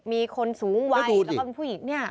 มีคนสูงวัยแล้วก็มีผู้หญิงนี่